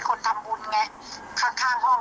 แต่ว่ามันเป็นกรรมของแม่เองอ่ะเพราะว่าคุณหญิงเป็นคนทำบุญไง